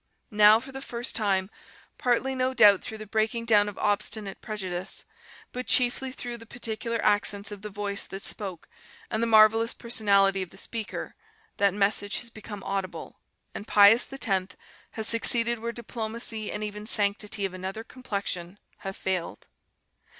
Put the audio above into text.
Now, for the first time, partly no doubt through the breaking down of obstinate prejudice, but chiefly through the particular accents of the voice that spoke and the marvellous personality of the speaker, that message has become audible, and Pius X has succeeded where diplomacy and even sanctity of another complexion have failed.